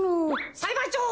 さいばんちょう！